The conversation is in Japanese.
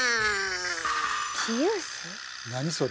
何それ。